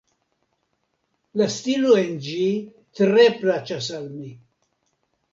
La stilo en ĝi tre plaĉas al mi.